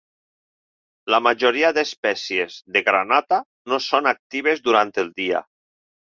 La majoria d'espècies de granota no són actives durant el dia.